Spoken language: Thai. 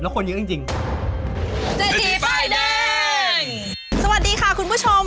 แล้วคนยิงจริงจุดที่ไปเน้นสวัสดีค่ะคุณผู้ชม